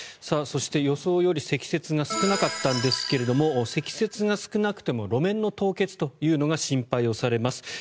そして、予想より積雪が少なかったんですが積雪が少なくても路面の凍結というのが心配されます。